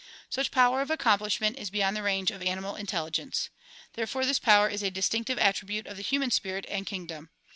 Such power of accomplishment is beyond the range of animal intelligence. Therefore this power is a distinctive attribute of the human spirit and kingdom.